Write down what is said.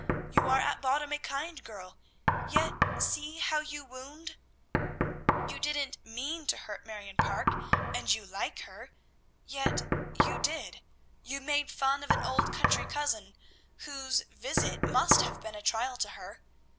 You are at bottom a kind girl; yet see how you wound! You didn't mean to hurt Marion Parke; you like her, yet you did: you made fun of an old country cousin, whose visit must have been a trial to her.